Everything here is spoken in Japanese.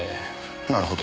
なるほど。